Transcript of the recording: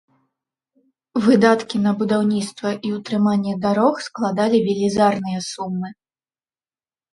Выдаткі на будаўніцтва і ўтрыманне дарог складалі велізарныя сумы.